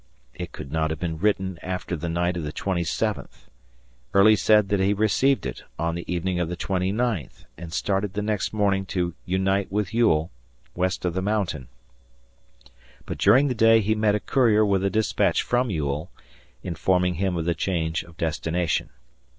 It could not have been written after the night of the twenty seventh. Early said that he received it on the evening of the twenty ninth and started the next morning to unite with Ewell west of the mountain, but during the day he met a courier with a dispatch from Ewell, informing him of the change of destination.